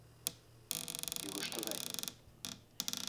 Илыш тыгай.